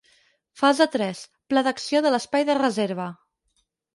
Fase tres: pla d'acció de l'espai de reserva.